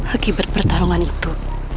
akibat pertarungan itu